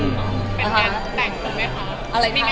เป็นงานแต่งคุณไหมคะ